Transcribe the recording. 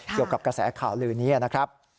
เกี่ยวกับกระแสข่าวลือนี้นะครับ